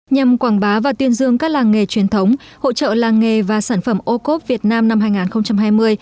nhằm quảng bá và tuyên dương các làng nghề truyền thống hỗ trợ làng nghề và sản phẩm ô cốp việt nam năm hai nghìn hai mươi